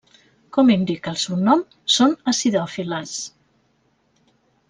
Com indica el seu nom són acidòfiles.